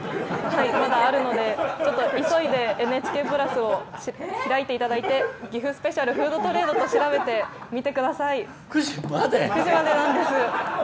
まだあるので急いで「ＮＨＫプラス」を開いていただいて「ぎふスペシャルふうどトレード」と調べて９時まで？